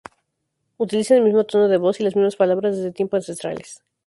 Utilizan el mismo tono de voz y las mismas palabras desde tiempo ancestrales.